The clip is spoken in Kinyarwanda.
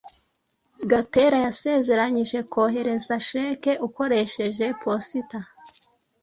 Gatera yasezeranyije kohereza cheque ukoresheje posita.